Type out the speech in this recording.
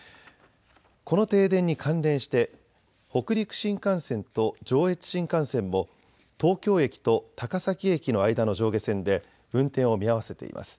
この停電に関連して北陸新幹線と上越新幹線も東京駅と高崎駅の間の上下線で運転を見合わせています。